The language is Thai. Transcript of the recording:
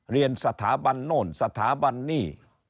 เรียนสถาบันโน่นสถาบันนี่